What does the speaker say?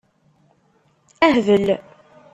Hbel.